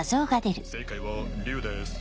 正解は竜です。